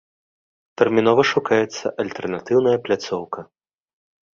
Тэрмінова шукаецца альтэрнатыўная пляцоўка.